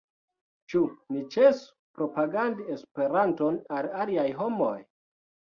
Ĉu ni ĉesu propagandi Esperanton al aliaj homoj?